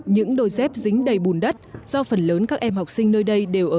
những đôi dép dính đầy bùn đất do phần lớn các em học sinh nơi đây đều ở